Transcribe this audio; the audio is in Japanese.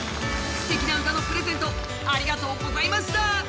すてきな歌のプレゼント、ありがとうございました。